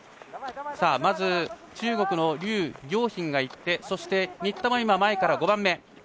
まず中国の劉暁彬がいってそして、新田は前から５番目。